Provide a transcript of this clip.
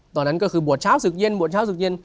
ตอนนั้นก็คือบวชเช้าศึกเย็นบวชเช้าศึกเย็น